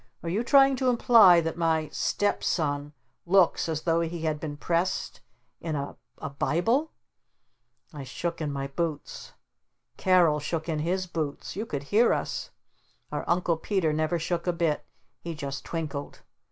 "Are you trying to imply that my step son looks as though he had been pressed in a a Bible?" I shook in my boots. Carol shook in his boots. You could hear us. Our Uncle Peter never shook a bit. He just twinkled.